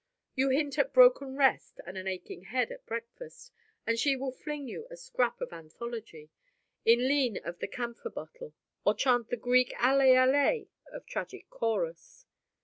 You hint at broken rest and an aching head at breakfast, and she will fling you a scrap of Anthology in lien of the camphor bottle or chant the [Greek] alai alai of tragic chorus.